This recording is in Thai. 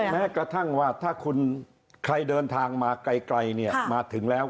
แม้กระทั่งว่าถ้าคุณใครเดินทางมาไกลเนี่ยมาถึงแล้ว